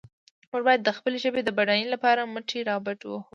موږ باید د خپلې ژبې د بډاینې لپاره مټې رابډ وهو.